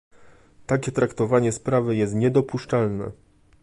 Takie traktowanie sprawy jest niedopuszczalne